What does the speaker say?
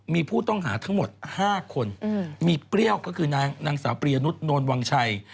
มีผู้ต้องหาทั้งหมด๕คนมีเปรี้ยวก็คือนางสาวปริยนุษย์โนนวังชัย